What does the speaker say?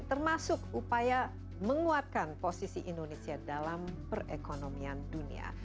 termasuk upaya menguatkan posisi indonesia dalam perekonomian dunia